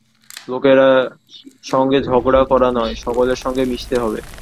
লোকের সঙ্গে ঝগড়া করা নয়, সকলের সঙ্গে মিশতে হবে।